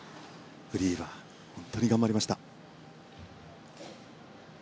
フリーは本当に頑張りました。